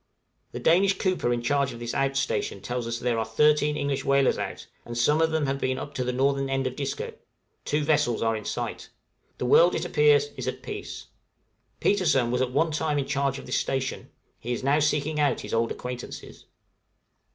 The Danish cooper in charge of this out station tells us there are thirteen English whalers already out, and some of them have been up to the north end of Disco; two vessels are in sight. The world, it appears, is at peace. Petersen was at one time in charge of this station; he is now seeking out his old acquaintances.